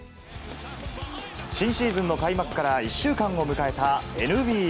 新シーズンの開幕から１週間を迎えたＮＢＡ。